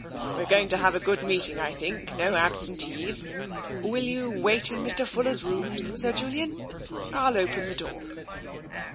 We're going to have a good meeting, I think — no absentees. Will you wait in Mr. Fuller's rooms. Sir Julian ? I'll open the door."